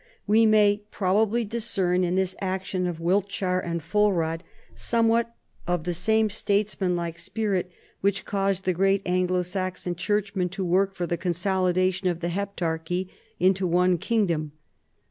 "We may probably discern in this action of Wiltchar and Fulrad somewhat of the same statesman like spirit which caused the great Anglo Saxon churchmen to work for the con solidation of the Heptarchy into one kingdom.